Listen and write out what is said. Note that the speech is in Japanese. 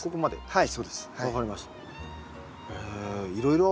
はい。